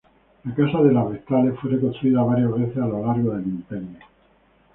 La Casa de las Vestales fue reconstruida varias veces a lo largo del Imperio.